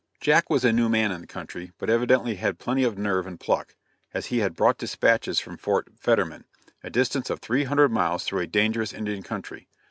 Jack was a new man in the country, but evidently had plenty of nerve and pluck, as he had brought dispatches from Fort Fetterman, a distance of 300 miles through a dangerous Indian country.